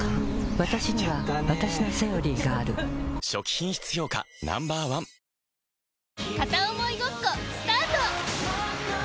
わたしにはわたしの「セオリー」がある初期品質評価Ｎｏ．１与作は木をきる与作？